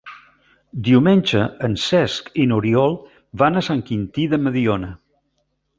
Diumenge en Cesc i n'Oriol van a Sant Quintí de Mediona.